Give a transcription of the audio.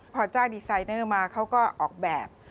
พอจ้างดีไซเนอร์มาเขาก็ออกแบบ